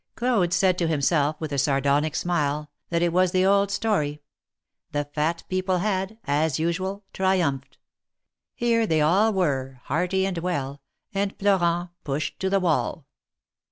Claude said to himself, with a sardonic smile, tliat it was the old story — the Fat people had, as usual, triumphed ; THE MARKETS OF PARIS. 311 here they all were, hearty and well, and Florent pushed to the wall.